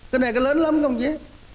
cái này có lớn lắm không chứ